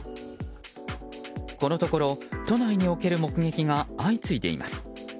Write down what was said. このところ、都内における目撃が相次いでいます。